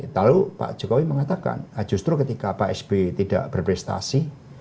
lalu pak jokowi mengatakan justru ketika pak sby tidak berprestasi